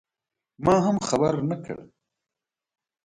ما هم خبر نه کړ.